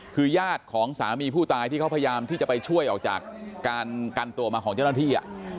คือญาติของสามีผู้ตายที่เขาพยายามที่จะไปช่วยออกจากการกันตัวมาของเจ้าหน้าที่